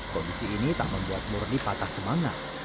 kondisi ini tak membuat murni patah semangat